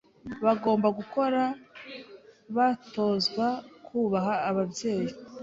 bagomba gukura batozwa kubaha ababyeyi